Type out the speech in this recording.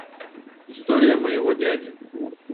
История моего дяди.